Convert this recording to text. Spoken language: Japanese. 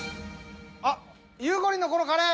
あっゆうこりんのこのカレー。